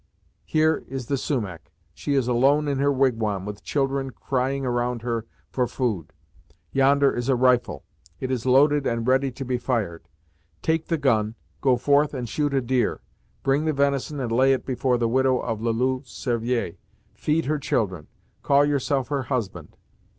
Here, is the Sumach; she is alone in her wigwam, with children crying around her for food yonder is a rifle; it is loaded and ready to be fired. Take the gun, go forth and shoot a deer; bring the venison and lay it before the widow of Le Loup Cervier, feed her children; call yourself her husband.